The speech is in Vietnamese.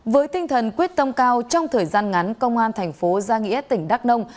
với tinh thần quyết tâm cao trong thời gian ngắn công an thành phố gia nghĩa tỉnh đắk nông